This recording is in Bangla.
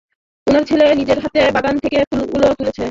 উনার ছেলে নিজের হাতে বাগান থেকে ফুলগুলো তুলেছে!